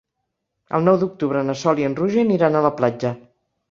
El nou d'octubre na Sol i en Roger aniran a la platja.